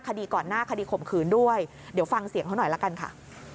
คดีก่อนหน้าคดีข่มขืนด้วยเดี๋ยวฟังเสียงเขาหน่อยละกันค่ะ